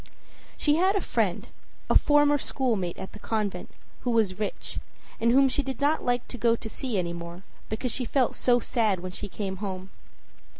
She had a friend, a former schoolmate at the convent, who was rich, and whom she did not like to go to see any more because she felt so sad when she came home.